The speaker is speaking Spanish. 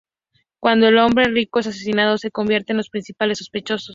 Cuando el hombre rico es asesinado, se convierten en los principales sospechosos.